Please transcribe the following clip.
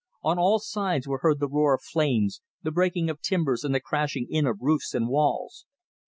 On all sides were heard the roar of flames, the breaking of timbers and the crashing in of roofs and walls.